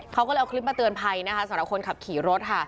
เขาก็เลยเอาคลิปมาเตือนภัยนะคะสำหรับคนขับขี่รถค่ะ